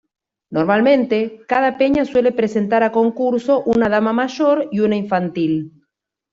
Normalmente, cada peña suele presentar a concurso una Dama mayor y una infantil.